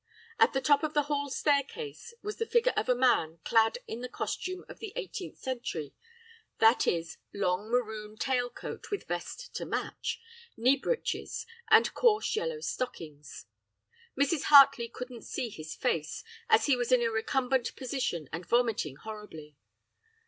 "At the top of the hall staircase was the figure of a man clad in the costume of the eighteenth century, viz., long maroon tail coat with vest to match, knee breeches, and coarse yellow stockings. Mrs. Hartley couldn't see his face, as he was in a recumbent position and vomiting horribly.